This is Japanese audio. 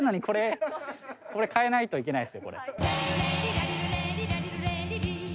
これ替えないといけないですよ。